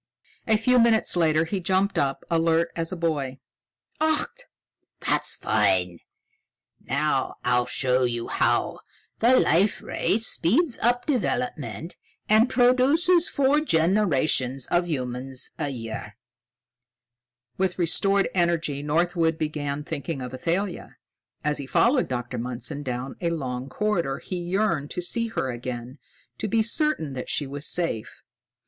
A few minutes later, he jumped up, alert as a boy. "Ach! That's fine. Now I'll show you how the Life Ray speeds up development and produces four generations of humans a year." With restored energy, Northwood began thinking of Athalia. As he followed Dr. Mundson down a long corridor, he yearned to see her again, to be certain that she was safe.